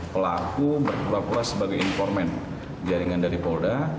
pelaku berkualitas sebagai informen jaringan dari polda